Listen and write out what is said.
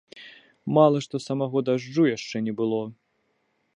Мала што самога дажджу яшчэ не было!